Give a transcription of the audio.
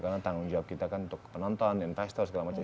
karena tanggung jawab kita kan untuk penonton investor segala macam